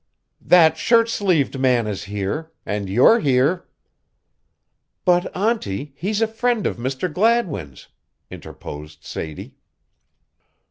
"That shirt sleeved man is here and you're here!" "But, auntie, he's a friend of Mr. Gladwin's," interposed Sadie.